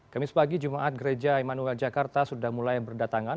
kamis pagi jumat gereja emanuel jakarta sudah mulai berdatangan